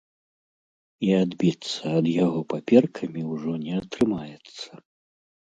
І адбіцца ад яго паперкамі ўжо не атрымаецца.